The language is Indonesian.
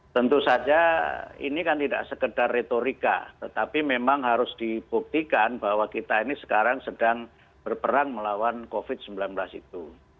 tentu saja ini kan tidak sekedar retorika tetapi memang harus dibuktikan bahwa kita ini sekarang sedang berperang melawan covid sembilan belas itu